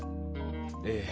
ええ。